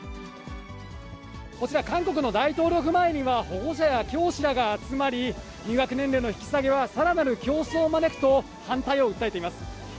こちら、韓国の大統領府前には、保護者や教師らが集まり、入学年齢の引き下げはさらなる競争を招くと、反対を訴えています。